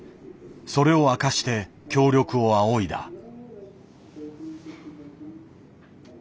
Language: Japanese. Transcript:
それを明かして協力を仰いだ。